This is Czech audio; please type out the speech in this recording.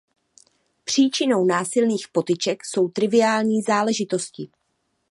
Příčinou násilných potyček jsou triviální záležitosti.